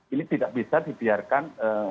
ini tidak bisa dibiarkan